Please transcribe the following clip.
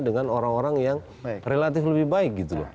dengan orang orang yang relatif lebih baik